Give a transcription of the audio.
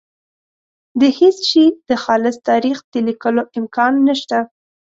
د هېڅ شي د خالص تاریخ د لیکلو امکان نشته.